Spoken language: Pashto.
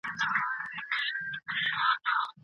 خاوندان او ميرمني به زيات وخت سره پاته نسي.